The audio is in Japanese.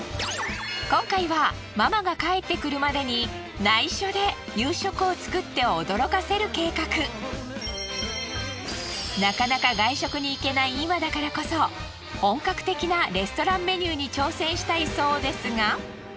今回はママが帰ってくるまでに内緒で夕食を作って驚かせる計画。なかなか外食に行けない今だからこそ本格的なレストランメニューに挑戦したいそうですが。